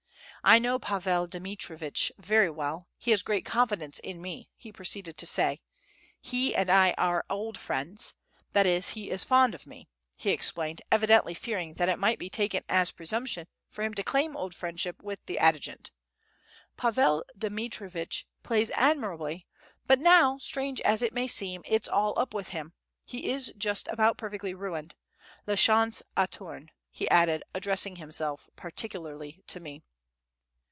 "I know Pavel Dmitrievitch very well. He has great confidence in me," he proceeded to say; "he and I are old friends; that is, he is fond of me," he explained, evidently fearing that it might be taken as presumption for him to claim old friendship with the adjutant. "Pavel Dmitrievitch plays admirably; but now, strange as it may seem, it's all up with him, he is just about perfectly ruined; la chance a tourne," he added, addressing himself particularly to me.